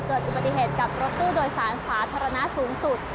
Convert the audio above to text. เกิดอุบัติเหตุกับรถตู้โดยสารสาธารณะสูงสุด